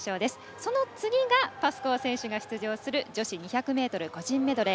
その次がパスコー選手が出場する女子２００ｍ個人メドレー